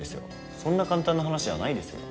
そんな簡単な話じゃないですよ。